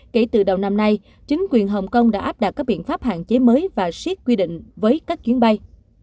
kể từ đầu năm nay chính quyền hồng kông đã áp đặt các biện pháp hạn chế mới và siết quy định với các chuyến bay